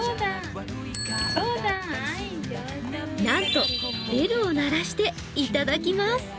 なんと、ベルを鳴らしていただきます。